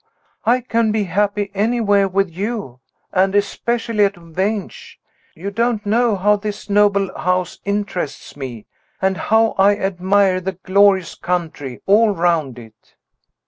I can be happy anywhere with you and especially at Vange. You don't how this noble old house interests me, and how I admire the glorious country all round it."